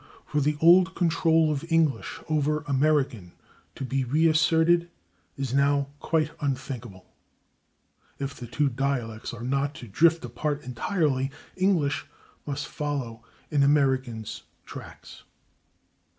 For the old control of English over American to be reasserted is now quite unthinkable; if the two dialects are not to drift apart entirely English must follow in American's tracks.